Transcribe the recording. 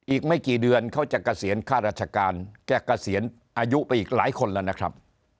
อีกไม่กี่เดือนเขาจะเกษียณค่าราชการแกเกษียณอายุไปอีกหลายคนแล้วนะครับ